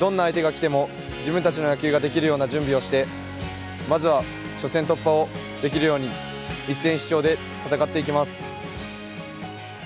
どんな相手がきても自分たちの野球ができるような準備をしてまずは初戦突破をできるように一戦必勝で戦っていきます。